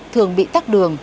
thường bị tắt đường